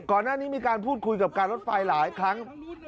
ก่อนหน้านี้มีการพูดคุยกับการรถไฟหลายครั้ง